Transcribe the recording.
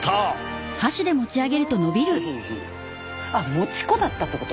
餅粉だったってこと？